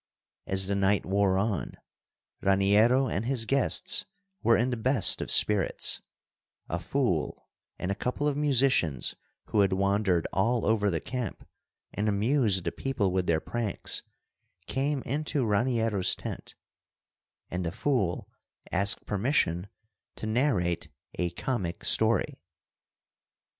As the night wore on, Raniero and his guests were in the best of spirits; a fool and a couple of musicians who had wandered all over the camp and amused the people with their pranks, came into Raniero's tent, and the fool asked permission to narrate a comic story.